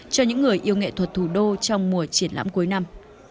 cho những người yêu nghệ thuật thủ đô trong mùa triển lãm cuối năm